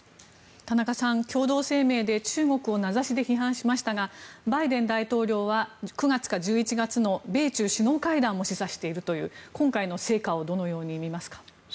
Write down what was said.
田中さん、共同声明で中国を名指しで批判しましたがバイデン大統領は９月から１１月の米中首脳会議も示唆しているという今回の成果をどう見ますか。